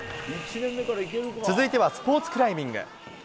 続いてはスポーツクライミング。